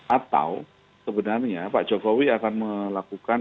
atau sebenarnya pak jokowi akan melakukan